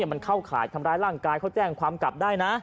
มันเข้าข่ายทำร้ายร่างกายเขาแจ้งความกลับได้นะ